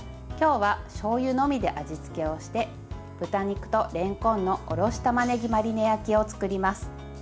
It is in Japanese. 今日はしょうゆのみで味付けをして豚肉とれんこんのおろしたまねぎマリネ焼きを作ります。